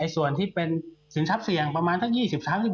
ส่วนที่เป็นสินทรัพย์เสี่ยงประมาณทั้ง๒๐๓๐